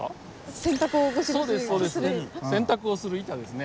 洗濯をする板ですね。